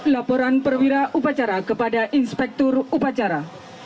laporan perwira upacara kepada inspektur upacara